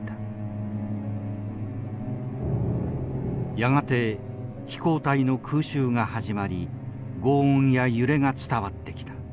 やがて飛行隊の空襲が始まり轟音や揺れが伝わってきた。